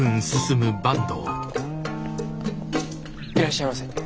いらっしゃいませ。